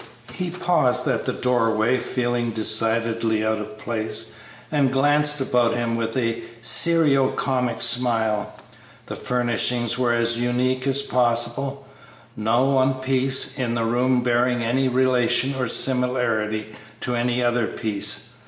He paused at the doorway, feeling decidedly out of place, and glanced about him with a serio comic smile. The furnishings were as unique as possible, no one piece in the room bearing any relation or similarity to any other piece.